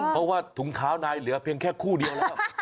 เพราะถุงขาวนายเหลือแค่คู่เดียว